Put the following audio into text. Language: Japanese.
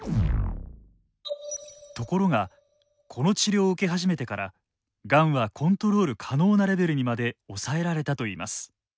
ところがこの治療を受け始めてからがんはコントロール可能なレベルにまで抑えられたといいます。